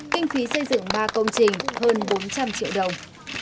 kinh phí xây dựng ba công trình hơn bốn trăm linh triệu đồng